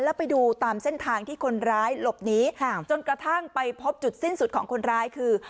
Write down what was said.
แล้วไปดูตามเส้นทางที่คนร้ายหลบหนีจนกระทั่งไปพบจุดสิ้นสุดของคนร้ายคือ